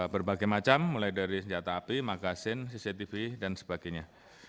berbagai macam mulai dari senjata api magasin cctv dan sebagainya